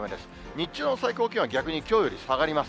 日中の最高気温は逆にきょうより下がります。